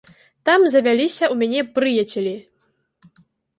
Там завяліся ў мяне прыяцелі.